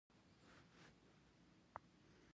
د سناتوریال کلاس په ډېر شتمن کېدو سره